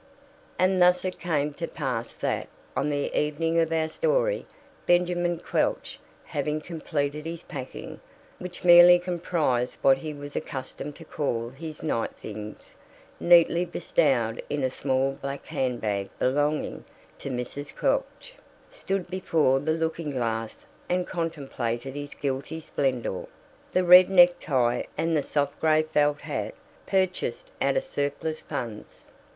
And thus it came to pass that, on the evening of our story, Benjamin Quelch, having completed his packing, which merely comprised what he was accustomed to call his "night things," neatly bestowed in a small black hand bag belonging to Mrs. Quelch, stood before the looking glass and contemplated his guilty splendour, the red necktie and the soft gray felt hat, purchased out of surplus funds.